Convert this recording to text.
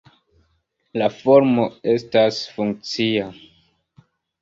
La formo estas funkcia.